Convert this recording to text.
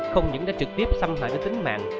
không những đã trực tiếp xâm hại đến tính mạng